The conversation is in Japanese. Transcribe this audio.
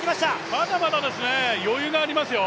まだまだ余裕がありますよ。